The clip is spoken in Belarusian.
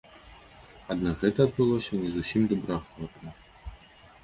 Аднак гэта адбылося не зусім добраахвотна.